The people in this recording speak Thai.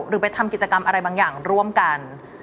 หรือไปทำกิจกรรมอะไรบางอย่างร่วมกัน